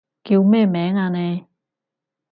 叫咩名啊你？